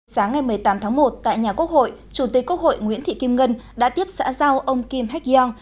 sáng ngày một mươi tám tháng một tại nhà quốc hội chủ tịch quốc hội nguyễn thị kim ngân đã tiếp xã giao ông kim hạch yong